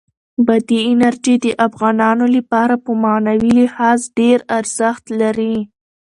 بادي انرژي د افغانانو لپاره په معنوي لحاظ ډېر ارزښت لري.